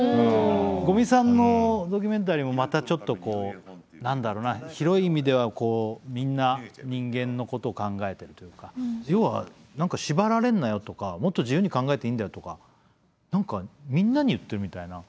五味さんのドキュメンタリーもまたちょっとこう何だろうな広い意味ではみんな人間のこと考えてるというか要は縛られんなよとかもっと自由に考えていいんだよとか何かみんなに言ってるみたいな。